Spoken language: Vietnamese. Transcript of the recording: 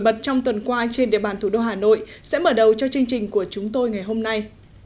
bật trong tuần qua trên địa bàn thủ đô hà nội sẽ mở đầu cho chương trình của chúng tôi ngày hôm nay